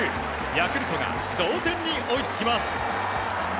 ヤクルトが同点に追いつきます。